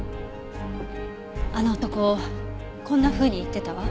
あの男こんなふうに言ってたわ。